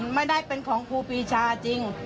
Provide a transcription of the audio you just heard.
ไม่ได้เป็นของครูปีชาจริง